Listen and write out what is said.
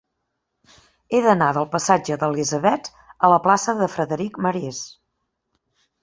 He d'anar del passatge d'Elisabets a la plaça de Frederic Marès.